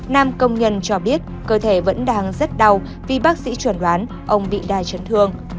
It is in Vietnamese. nam công nhân cho biết cơ thể vẫn đang rất đau vì bác sĩ chuẩn đoán ông bị đa chấn thương